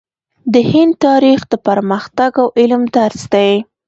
د هند تاریخ د پرمختګ او علم درس دی.